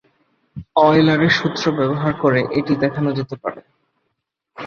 অয়লারের সূত্র ব্যবহার করে এটি দেখানো যেতে পারে।